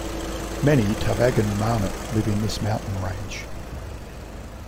Many Tarbagan marmot live in this mountain range.